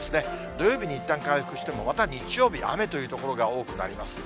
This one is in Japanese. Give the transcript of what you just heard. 土曜日にいったん回復しても、また日曜日、雨という所が多くなります。